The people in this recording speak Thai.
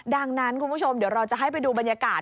ดังนั้นคุณผู้ชมเดี๋ยวเราจะให้ไปดูบรรยากาศ